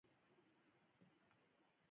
د شبې و رځ د لړم پنځلسمه وه.